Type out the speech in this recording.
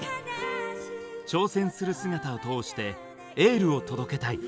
「挑戦する姿を通してエールを届けたい」。